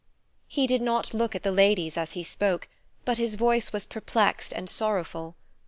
He did not look at the ladies as he spoke, but his voice was perplexed and sorrowful.